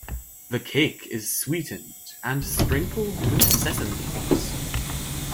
The cake is sweetened and sprinkled with sesames.